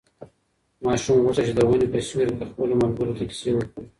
ماشوم غوښتل چې د ونې په سیوري کې خپلو ملګرو ته کیسې وکړي.